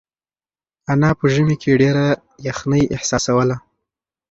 انا په ژمي کې ډېره یخنۍ احساسوله.